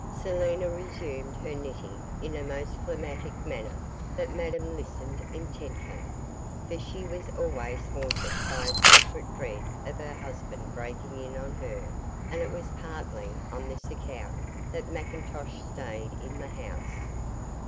Selina resumed her knitting in a most phlegmatic manner, but Madame listened intently, for she was always haunted by a secret dread of her husband breaking in on her, and it was partly on this account that McIntosh stayed in the house.